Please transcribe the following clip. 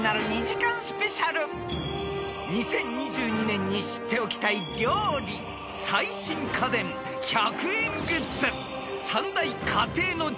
［２０２２年に知っておきたい料理最新家電１００円グッズ］